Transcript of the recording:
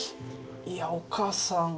いやお母さん。